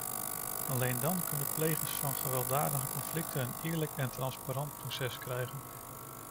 Alleen dan kunnen de plegers van gewelddadige conflicten een eerlijk en transparant proces krijgen.